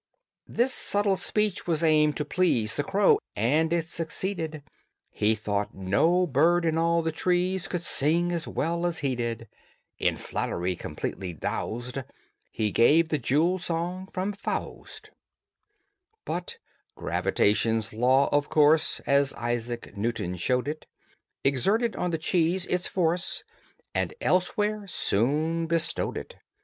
'" This subtle speech was aimed to please The crow, and it succeeded: He thought no bird in all the trees Could sing as well as he did. In flattery completely doused, He gave the "Jewel Song" from "Faust." [Illustration: "'J'ADMIRE,' SAID HE, 'TON BEAU PLUMAGE'"] But gravitation's law, of course, As Isaac Newton showed it, Exerted on the cheese its force, And elsewhere soon bestowed it.